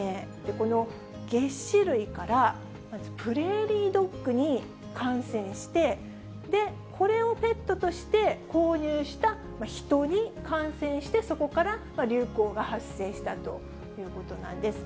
このげっ歯類から、まずプレーリードッグに感染して、これをペットとして購入したヒトに感染して、そこから流行が発生したということなんです。